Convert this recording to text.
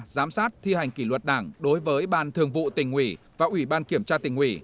giám sát thi hành kỷ luật đảng đối với ban thường vụ tỉnh ủy và ủy ban kiểm tra tỉnh ủy